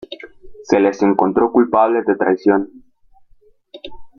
Se les encontró culpables de traición.